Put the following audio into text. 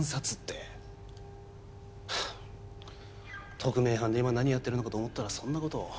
特命班で今何やってるのかと思ったらそんな事を。